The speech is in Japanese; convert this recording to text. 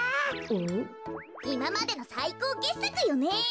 いままでのさいこうけっさくよね。